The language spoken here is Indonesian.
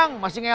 nggak kena eh